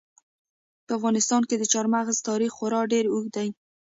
په افغانستان کې د چار مغز تاریخ خورا ډېر اوږد دی.